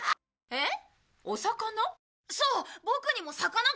えっ！